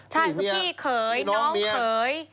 พี่เขยน้องเขย